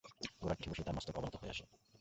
ঘোড়ার পিঠে বসেই তার মস্তক অবনত হয়ে আসে।